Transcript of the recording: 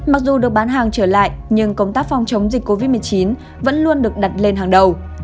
mặc dù được bán hàng trở lại nhưng công tác phòng chống dịch covid một mươi chín vẫn luôn được đặt lên hàng đầu